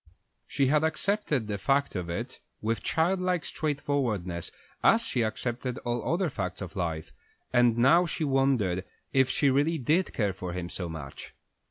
She had accepted the fact of it with childlike straightforwardness as she accepted all other facts of life, and now she wondered if she really did care for him so much.